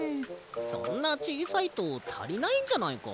そんなちいさいとたりないんじゃないか？